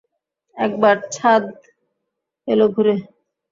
একবার ছাদ এল ঘুরে।